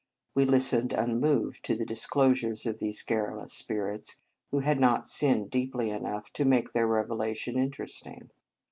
We lis tened unmoved to the disclosures of these garrulous spirits, who had not sinned deeply enough to make their revelations interesting.